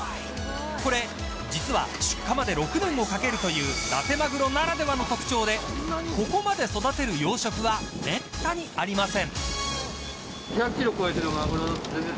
これ、実は出荷まで６年をかけるというだてまぐろならではの特徴でここまで育てる養殖はめったにありません。